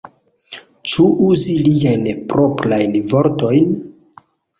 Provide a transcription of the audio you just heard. Ĉu uzi liajn proprajn vortojn?